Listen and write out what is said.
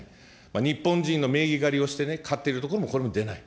日本人の名義借りをして買ってる所も、これも出ない。